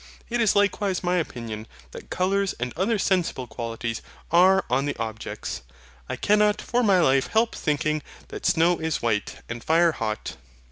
It is likewise my opinion that colours and other sensible qualities are on the objects. I cannot for my life help thinking that snow is white, and fire hot.